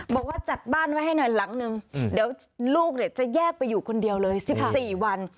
บอกว่าจัดบ้านไว้ให้หน่อยหลังนึงเดี๋ยวลูกจะแยกไปอยู่คนเดียวเลย๑๔วัน